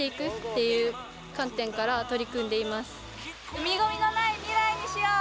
海ゴミのない未来にしよう！